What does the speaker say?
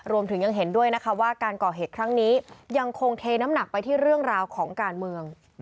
รวมถึงยังเห็นด้วยนะคะว่าการก่อเหตุครั้งนี้ยังคงเทน้ำหนักไปที่เรื่องราวของการเมือง